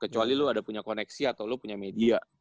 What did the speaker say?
kecuali lo ada punya koneksi atau lo punya media